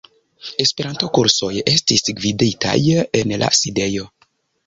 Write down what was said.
Esperanto-kursoj estis gviditaj en la sidejo.